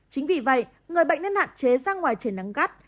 chính vì vậy người bệnh nên hạn chế ra ngoài trời nắng gắt